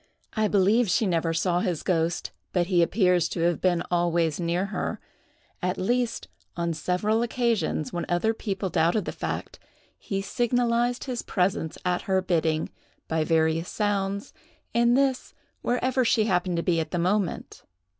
I believe she never saw his ghost, but he appears to have been always near her; at least, on several occasions when other people doubted the fact, he signalized his presence at her bidding, by various sounds, and this, wherever she happened to be at the moment.